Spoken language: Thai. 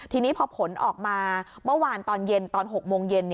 ทีนี้พอผลออกมาเมื่อวานตอนเย็นตอน๖โมงเย็น